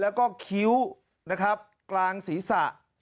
แล้วก็คิ้วนะครับกลางศีรษะ